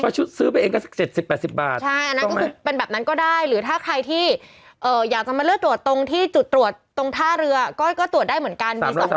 ชุดซื้อไปเองก็สัก๗๐๘๐บาทใช่อันนั้นก็คือเป็นแบบนั้นก็ได้หรือถ้าใครที่อยากจะมาเลือกตรวจตรงที่จุดตรวจตรงท่าเรือก็ตรวจได้เหมือนกัน